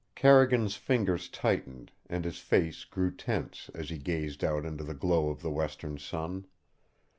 Carrigan's fingers tightened, and his face grew tense, as he gazed out into the glow of the western sun.